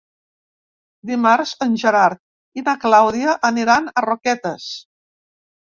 Dimarts en Gerard i na Clàudia aniran a Roquetes.